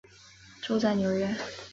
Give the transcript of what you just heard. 住在纽约。